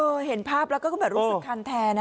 เห็นภาพแล้วก็แบบรู้สึกคันแทนนะ